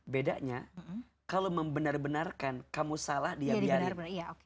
bedanya kalau membenar benarkan kamu salah dia biarin